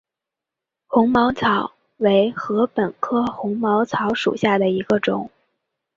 红毛草为禾本科红毛草属下的一个种。